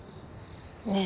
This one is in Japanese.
ねえ。